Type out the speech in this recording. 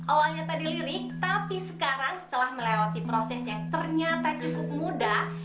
awalnya tadi lirik tapi sekarang setelah melewati proses yang ternyata cukup mudah